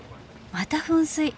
また噴水。